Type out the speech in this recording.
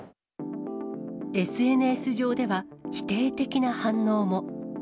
ＳＮＳ上では、否定的な反応も。